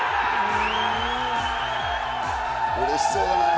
うれしそうだね。